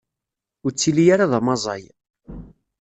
Ur ttili ara d amaẓay.